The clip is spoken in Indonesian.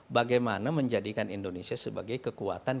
bagaimana menjadikan indonesia sebagai kekuatan